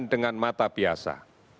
dengan mata biasa